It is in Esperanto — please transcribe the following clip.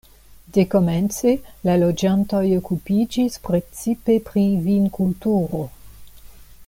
Dekomence la loĝantoj okupiĝis precipe pri vinkulturo.